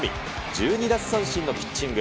１２奪三振のピッチング。